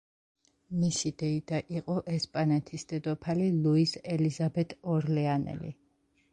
მისი დეიდა იყო ესპანეთის დედოფალი ლუიზ ელიზაბეტ ორლეანელი.